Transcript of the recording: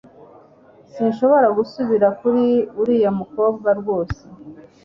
Sinshobora gusubira kuri uriya mukobwa rwose